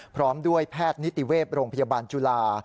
พร้อมด้วยแพทย์นิติเวศโรงพยาบาลจุฬา